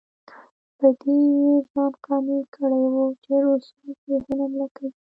په دې یې ځان قانع کړی وو چې روسان پر هند حمله کوي.